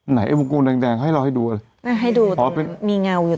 ไหนไอ้มุกกูแดงแดงเขาให้รอให้ดูอะไรให้ดูมีเงาอยู่